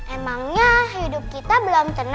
emangnya hidup kita belum tenang